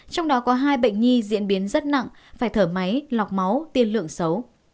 trong đó có hai bệnh nhi diễn biến rất nặng phải thở máy lọc máu tiên lượng xấu